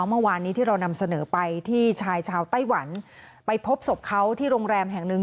เมื่อวานนี้ที่เรานำเสนอไปที่ชายชาวไต้หวันไปพบศพเขาที่โรงแรมแห่งหนึ่ง